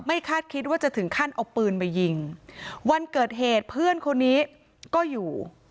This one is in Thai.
คาดคิดว่าจะถึงขั้นเอาปืนมายิงวันเกิดเหตุเพื่อนคนนี้ก็อยู่